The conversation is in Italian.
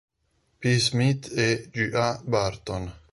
P. Smith, e G. A. Barton.